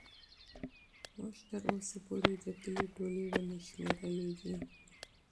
موږ تر اوسه پورې د کلي ټولې ونې شمېرلي دي.